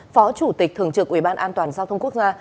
phó chủ tịch thường trực ủy ban an toàn giao thông quốc gia